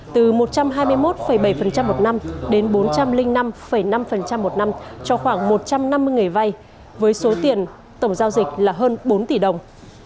từ một trăm hai mươi một bảy một năm đến bốn trăm linh năm năm một năm cho khoảng một trăm năm mươi người vay với số tiền tổng giao dịch là hơn bốn tỷ đồng